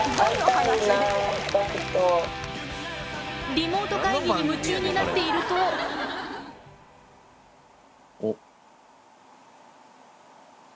リモート会議に夢中になっておっ。